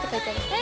え！